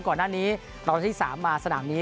ก่อนหน้านี้เราที่๓มาสนามนี้